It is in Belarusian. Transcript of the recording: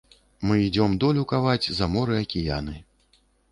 Мы ідзём долю каваць за моры, акіяны.